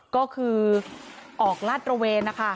ก็คือออกลาดระเวนนะคะ